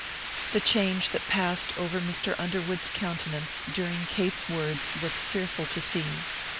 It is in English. The change that passed over Mr. Underwood's countenance during Kate's words was fearful to see.